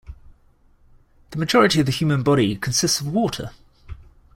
The majority of the human body consists of water.